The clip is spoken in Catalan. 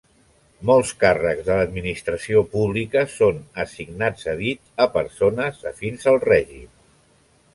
Molts càrrecs de l'administració pública són assignats a dit a persones afins al règim.